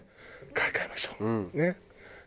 買い替えましょう。